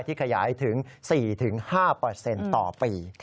ขยายถึง๔๕ต่อปี